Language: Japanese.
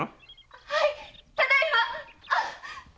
はいただいま！